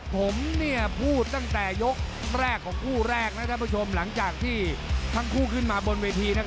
ผมพูดตั้งแต่ยกแรกของคู่แรกนะท่านผู้ชมหลังจากที่ทั้งคู่ขึ้นมาบนเวที